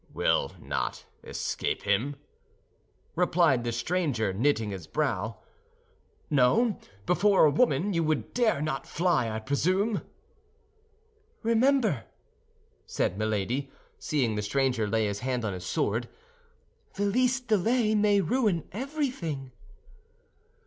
"Will not escape him?" replied the stranger, knitting his brow. "No; before a woman you would dare not fly, I presume?" "Remember," said Milady, seeing the stranger lay his hand on his sword, "the least delay may ruin everything."